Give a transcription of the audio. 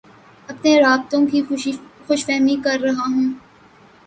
اپنے رابطوں کی خوش فہمی کررہا ہوں